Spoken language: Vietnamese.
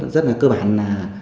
rất là cơ bản là